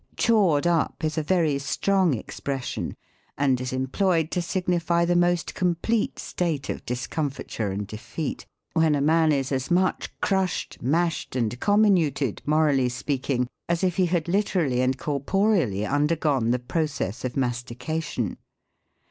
"Chawed up" is a very strong expression, and is employed to signify the most complete state of discomfiture and defeat, when a man is as m.uch crushed, mashed, and com minuted, morally speaking, as if he had literally and corporeally undergone the process of mastication.